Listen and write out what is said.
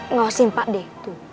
ngawasin pak deh